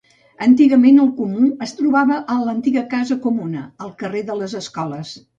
Antigament el comú es trobava a l'Antiga Casa Comuna al carrer de les Escoles.